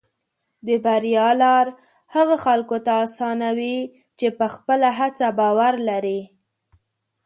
د بریا لار هغه خلکو ته اسانه وي چې په خپله هڅه باور لري.